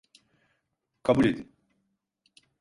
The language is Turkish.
Kabul edin.